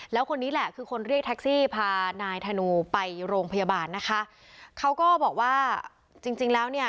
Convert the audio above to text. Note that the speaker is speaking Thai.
แล้วคนนี้แหละคือคนเรียกแท็กซี่พานายธนูไปโรงพยาบาลนะคะเขาก็บอกว่าจริงจริงแล้วเนี่ย